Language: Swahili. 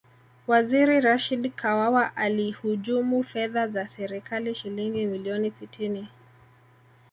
waziri rashid kawawa alihujumu fedha za serikali shilingi milioni sitini